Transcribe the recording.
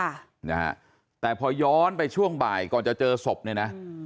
ค่ะนะฮะแต่พอย้อนไปช่วงบ่ายก่อนจะเจอศพเนี่ยนะอืม